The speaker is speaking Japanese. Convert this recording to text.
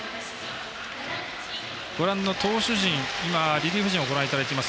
ご覧の投手陣リリーフ陣をご覧いただいています。